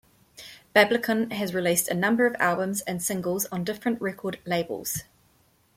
Bablicon has released a number of albums and singles on different record labels.